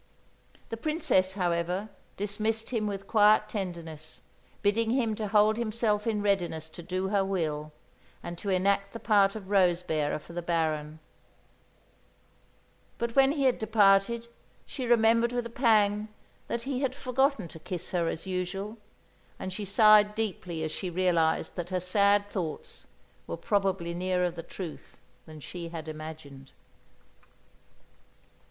The Princess, however, dismissed him with quiet tenderness, bidding him to hold himself in readiness to do her will and to enact the part of rose bearer for the Baron; but when he had departed, she remembered with a pang that he had forgotten to kiss her as usual, and she sighed deeply as she realised that her sad thoughts were probably nearer the truth than she had imagined.